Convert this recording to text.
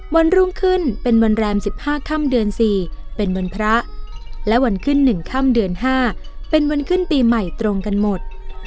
วันรุ่งขึ้นเป็นวันแรม๑๕ค่ำเดือน๔เป็นวันพระและวันขึ้น๑ค่ำเดือน๕เป็นวันขึ้นปีใหม่ตรงกันหมด